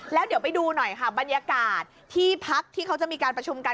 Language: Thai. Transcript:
แล้วเดี๋ยวไปดูหน่อยค่ะบรรยากาศที่พักที่เขาจะมีการประชุมกัน